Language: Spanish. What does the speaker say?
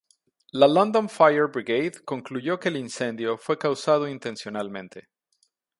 La London Fire Brigade concluyó que el incendio fue causado intencionalmente.